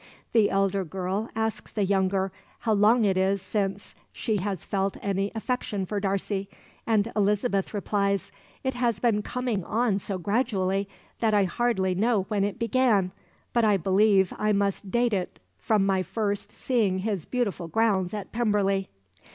The elder girl asks the younger how long it is since she has felt any affection for Darcy, and Elizabeth replies: "It has been coming on so gradually, that I hardly know when it began; but I believe I must date it from my first seeing his beautiful grounds at Pemberley."